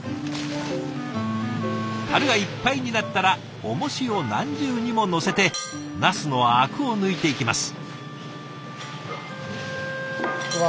たるがいっぱいになったらおもしを何重にも載せてナスのアクを抜いていきます。